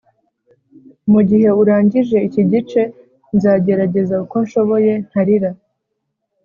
mugihe urangije iki gice, nzagerageza uko nshoboye ntarira.